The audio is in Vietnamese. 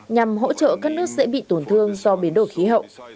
nhằm hỗ trợ các nước sẽ bị tổn thương do biến đổi khí hậu